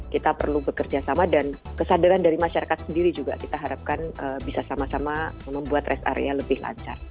kita perlu bekerja sama dan kesadaran dari masyarakat sendiri juga kita harapkan bisa sama sama membuat rest area lebih lancar